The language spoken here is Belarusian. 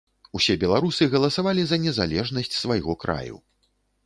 Усе беларусы галасавалі за незалежнасць свайго краю.